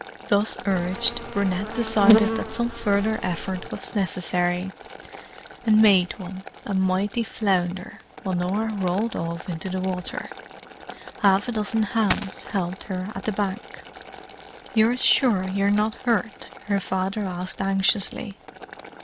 Thus urged, Brunette decided that some further effort was necessary, and made one, with a mighty flounder, while Norah rolled off into the water. Half a dozen hands helped her at the bank. "You're sure you're not hurt?" her father asked anxiously.